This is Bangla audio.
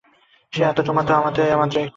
সেই আত্মা তোমাতে ও আমাতে এবং মাত্র একটি।